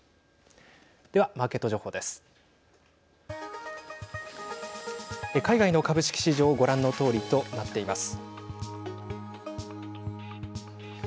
では、マーケット情報です。